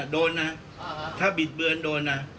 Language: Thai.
โดนนะถ้าบิดเบือนโดนนะ